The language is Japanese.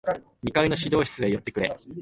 二階の指導室へ寄ってくれ。